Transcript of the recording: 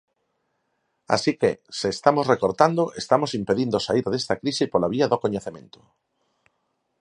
Así que, se estamos recortando estamos impedindo saír desta crise pola vía do coñecemento.